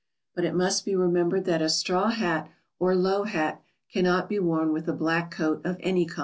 But it must be remembered that a straw hat or low hat cannot be worn with a black coat of any kind.